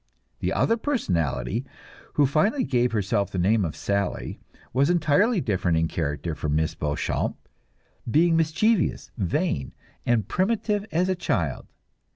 The other personality, who finally gave herself the name of Sally, was entirely different in character from Miss Beauchamp, being mischievous, vain, and primitive as a child.